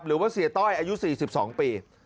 หรือว่าเสียต้อยอายุ๔๒ปี